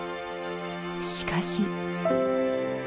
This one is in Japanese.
しかし。